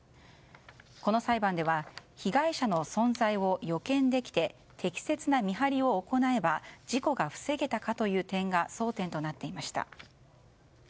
この裁判では被害者の存在を予見できて適切な見張りを行えば事故が防げたかという点が争点となっていました。